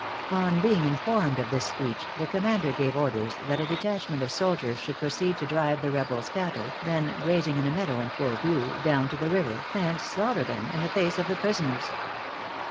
_" On being informed of this speech, the commander gave orders that a detachment of soldiers should proceed to drive the rebel's cattle, then grazing in a meadow in full view, down to the river, and slaughter them in the face of the prisoners.